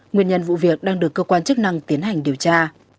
nguyên nhân vụ việc đang được cơ quan chức năng tiến hành điều tra